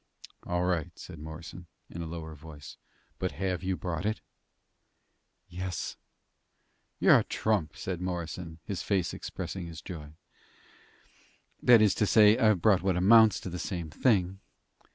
"All right," said Morrison, in a lower voice; "but have you brought it?" "Yes." "You're a trump!" said Morrison, his face expressing his joy. "That is to say, I've brought what amounts to the same thing."